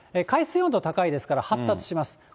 海水温度高いですから、発達します。